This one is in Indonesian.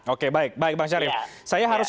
oke baik baik bang syarif saya harus